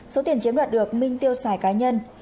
số tiền chiếm đoạt được minh tiêu xài cá nhân